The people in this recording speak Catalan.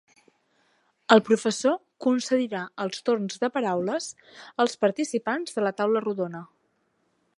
El professor concedirà els torns de paraules als participants de la taula rodona.